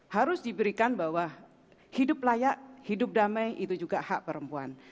harus diberikan bahwa hidup layak hidup damai itu juga hak perempuan